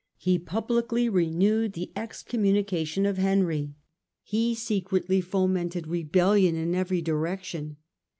He publicly renewed the excommunication of Henry; he secretly fomented rebellion in every direction.